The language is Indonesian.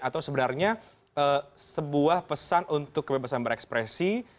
atau sebenarnya sebuah pesan untuk kebebasan berekspresi